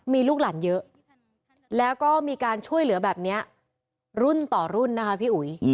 มีลูกหลานเยอะแล้วก็มีการช่วยเหลือแบบนี้รุ่นต่อรุ่นนะคะพี่อุ๋ย